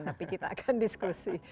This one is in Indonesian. tapi kita akan diskusi